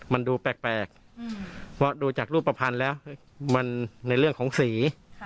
มันดูแปลกดูจากรูปประพันธ์แล้วมันในเรื่องของสี